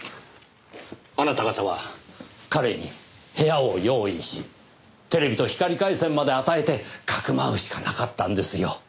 あなた方は彼に部屋を用意しテレビと光回線まで与えてかくまうしかなかったんですよ。